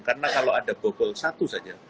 karena kalau ada bobol satu saja